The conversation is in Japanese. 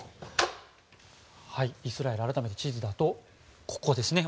イスラエル改めて地図だとここですね。